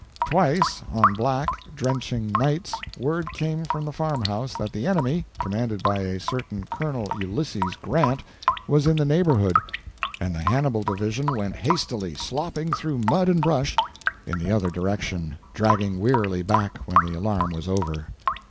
Twice, on black, drenching nights, word came from the farmhouse that the enemy, commanded by a certain Col. Ulysses Grant, was in the neighborhood, and the Hannibal division went hastily slopping through mud and brush in the other direction, dragging wearily back when the alarm was over.